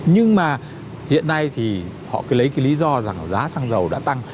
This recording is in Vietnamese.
nhưng mà hiện nay thì họ cứ lấy cái lý do rằng giá xăng dầu đã tăng